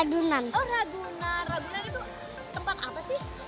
oh ragunan ragunan itu tempat apa sih